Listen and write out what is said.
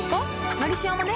「のりしお」もね